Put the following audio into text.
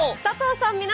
佐藤さん